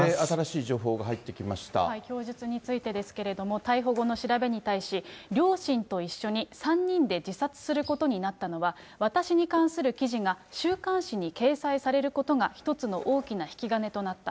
供述についてですけれども、逮捕後の調べに対し、両親と一緒に３人で自殺することになったのは、私に関する記事が週刊誌に掲載されることが、一つの大きな引き金となった。